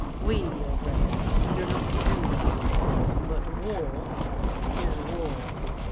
We, your grace, do not do that. But war is war!"